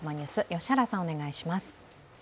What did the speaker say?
良原さん、お願いします。